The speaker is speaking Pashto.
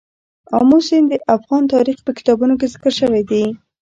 آمو سیند د افغان تاریخ په کتابونو کې ذکر شوی دي.